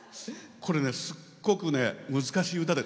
これ、すっごく難しい歌で。